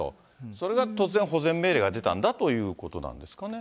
それが突然、保全命令が出たんだということなんですかね。